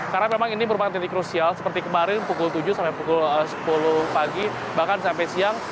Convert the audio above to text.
karena memang ini merupakan titik krusial seperti kemarin pukul tujuh sampai pukul sepuluh pagi bahkan sampai siang